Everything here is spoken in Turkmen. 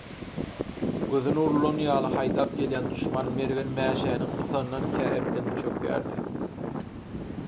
Gözüne urulan ýaly haýdap gelýän duşman mergen mäşäni gysandan kä eplenip çökýärdi